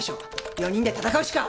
４人で闘うしか。